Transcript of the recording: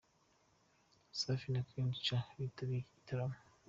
Safi na Queen Cha bitabiriye iki gitaramo.